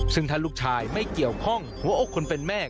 ซึ่งถ้าลูกชายไม่เกี่ยวข้องหัวอกคนเป็นแม่